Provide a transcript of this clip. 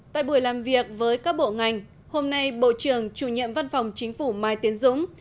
tại buổi làm việc với các bộ ngành hôm nay bộ trưởng chủ nhiệm văn phòng chính phủ mai tiến dũng